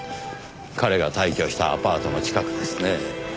彼が退去したアパートの近くですね。